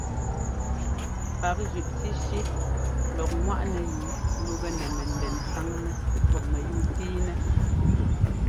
Pǎkzʉ́ꞌshíshí lɔk ŋ́waꞌnɛyúu lúgɛ nɛ mɛndɛn sáŋnɛ pɔ́p mɛyúu tíinɛ́.